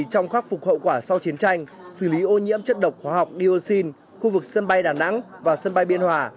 trong khắc phục hậu quả sau chiến tranh xử lý ô nhiễm chất độc hóa học dioxin khu vực sân bay đà nẵng và sân bay biên hòa